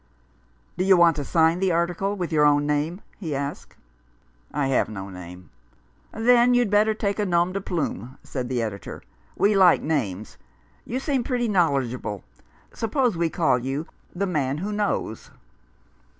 " Do you want to sign the article with your own name?" he asked. "I have no name." "Oh, then you'd better take a nom de plume? said the editor. " We like names. You seem pretty knowledgable. Suppose we call you ' The Man who Knows